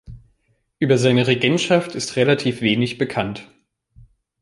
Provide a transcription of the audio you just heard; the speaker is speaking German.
Über seine Regentschaft ist relativ wenig bekannt.